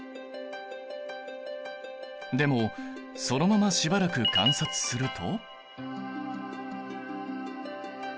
でもそのまましばらく観察すると。